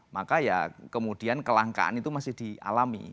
maka ya kemudian kelangkaan itu masih dialami